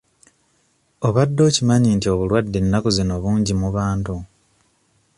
Obadde okimanyi nti obulwadde ennaku zino bungi mu bantu?